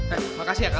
eh makasih ya kal